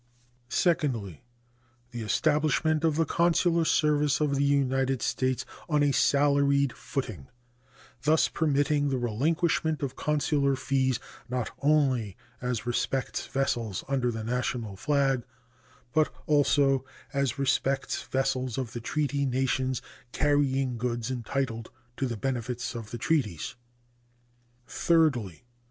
Secondly. The establishment of the consular service of the United States on a salaried footing, thus permitting the relinquishment of consular fees not only as respects vessels under the national flag, but also as respects vessels of the treaty nations carrying goods entitled to the benefits of the treaties. Thirdly.